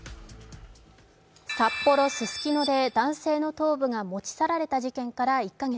札幌ススキノで男性の頭部が持ち去られた事件から１か月。